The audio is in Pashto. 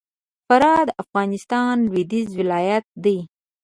فراه د افغانستان لوېدیځ ولایت دی